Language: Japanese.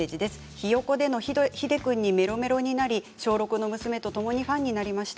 「ひよっこ」でのヒデ君にメロメロになり小６の娘とともにファンになりました。